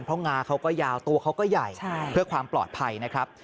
เพราะงาเขาก็ยาวตัวเขาก็ใหญ่เพื่อความปลอดภัยนะครับ